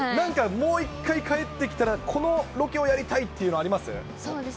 もう一回帰ってきたら、このロケをやりたいっていうのあります？